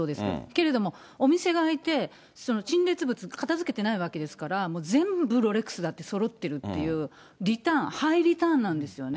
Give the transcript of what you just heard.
けれどもお店が開いて、陳列物が片づけてないわけですから、全部ロレックスだってそろってるっていう、リターン、ハイリターンなんですよね。